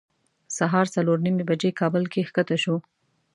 سهار څلور نیمې بجې کابل کې ښکته شوو.